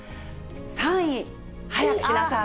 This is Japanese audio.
３位、早くしなさい。